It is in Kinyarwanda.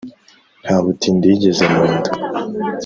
Nta butindi yigeze mu nda.